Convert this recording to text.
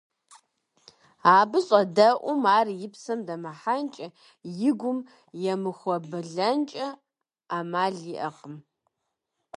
Абы щӀэдэӀум ар и псэм дэмыхьэнкӀэ, и гум емыхуэбылӀэнкӀэ Ӏэмал иӀэкъым.